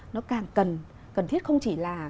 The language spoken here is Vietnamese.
nó càng cần thiết không chỉ là